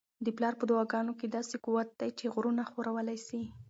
د پلار په دعاګانو کي داسې قوت دی چي غرونه ښورولی سي.